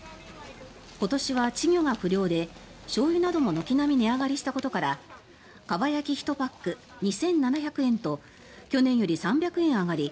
今年は稚魚が不漁でしょうゆなども軒並み値上げしたことからかば焼き１パック２７００円と去年より３００円上がり